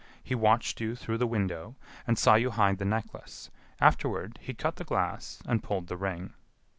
He watched you through the window and saw you hide the necklace. Afterward, he cut the glass and pulled the ring."